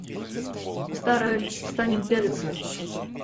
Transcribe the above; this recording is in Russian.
В старое ль станем пялиться?